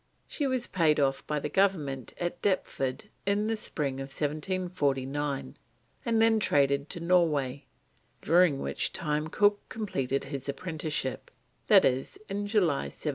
She was paid off by the Government at Deptford in the spring of 1749, and then traded to Norway, during which time Cook completed his apprenticeship, that is, in July 1749.